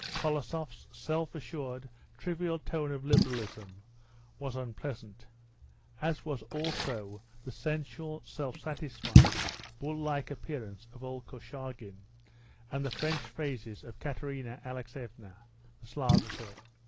Kolosoff's self assured, trivial tone of liberalism was unpleasant, as was also the sensual, self satisfied, bull like appearance of old Korchagin, and the French phrases of Katerina Alexeevna, the Slavophil.